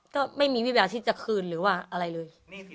ก็ไม่มีวิแววที่จะคืนหรือว่าอะไรเลย